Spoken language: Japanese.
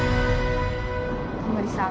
タモリさん